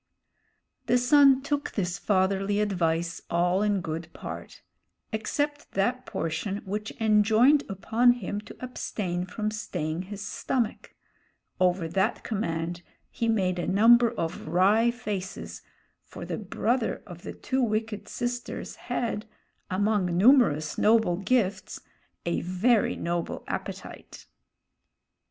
The son took this fatherly advice all in good part, except that portion which enjoined upon him to abstain from staying his stomach; over that command he made a number of wry faces, for the brother of the two wicked sisters had, among numerous noble gifts, a very noble appetite.